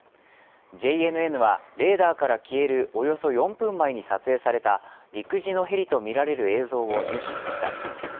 ＪＮＮはレーダーから消えるおよそ４分前に撮影された陸自のヘリとみられる映像を入手しました。